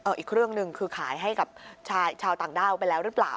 อีกเครื่องหนึ่งคือขายให้กับชาวต่างด้าวไปแล้วหรือเปล่า